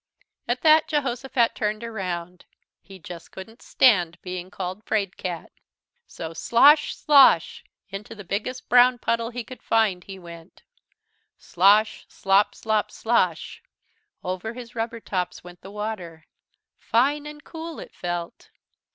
At that Jehosophat turned around. He just couldn't stand being called "'fraidcat." So slosh, slosh, into the biggest brown puddle he could find he went. Slosh, slop, slop, slosh! Over his rubber tops went the water. Fine and cool it felt.